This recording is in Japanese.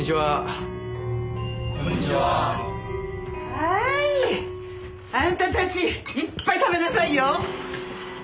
はーいあんたたちいっぱい食べなさいよ。